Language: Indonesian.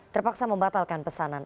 terpaksa membatalkan pesanan